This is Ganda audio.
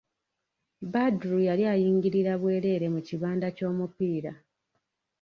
Badru yali ayingirira bwerere mu kibanda ky'omupiira.